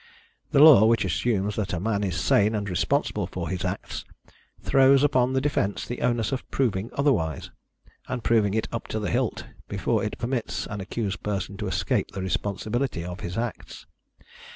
The law, which assumes that a man is sane and responsible for his acts, throws upon the defence the onus of proving otherwise, and proving it up to the hilt, before it permits an accused person to escape the responsibility of his acts.